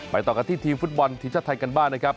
ต่อกันที่ทีมฟุตบอลทีมชาติไทยกันบ้างนะครับ